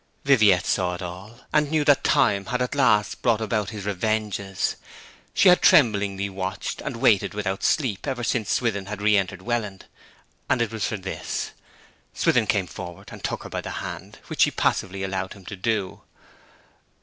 Viviette saw it all, and knew that Time had at last brought about his revenges. She had tremblingly watched and waited without sleep, ever since Swithin had re entered Welland, and it was for this. Swithin came forward, and took her by the hand, which she passively allowed him to do.